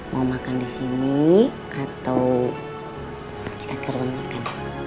mau makan di sini atau kita ke ruang makan